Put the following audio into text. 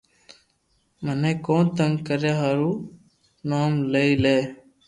مني ڪون تنگ ڪريئا ھارون نوم لئي لي